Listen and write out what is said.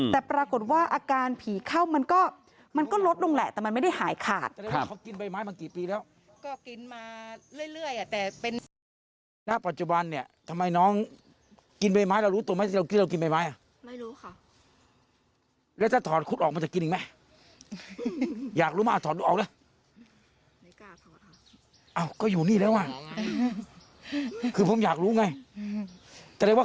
แต่ปรากฏว่าอาการผีเข้ามันก็มันก็ลดลงแหละแต่มันไม่ได้หายขาด